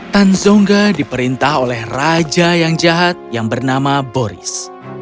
tanzonga diperintah oleh raja yang jahat yang bernama boris